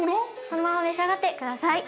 そのまま召し上がって下さい。